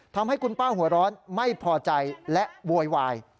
ทำให้คุณป้าหัวร้อนไม่พอใจและโวยวาย